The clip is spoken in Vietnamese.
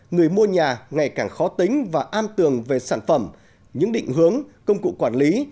người mua nhà ngày càng khó tính và an tường về sản phẩm những định hướng công cụ quản lý